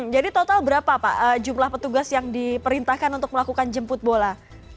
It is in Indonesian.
jadi total berapa pak jumlah petugas yang diperintahkan untuk melakukan jemput bola